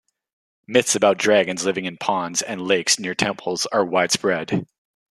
Myths about dragons living in ponds and lakes near temples are widespread.